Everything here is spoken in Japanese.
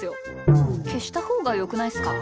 けしたほうがよくないっすか？